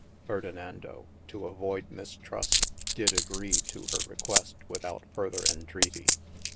Ferdinando to avoyd mistrust, did agree too hir request without furder entreaty.